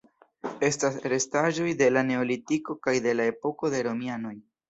Estas restaĵoj de la Neolitiko kaj de la epoko de romianoj.